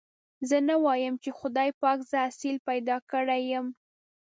زه نه وايم چې خدای پاک زه اصيل پيدا کړي يم.